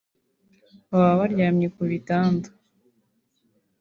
baba baryamye ku bitanda